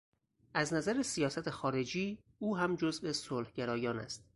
از نظر سیاست خارجی او هم جزو صلح گرایان است.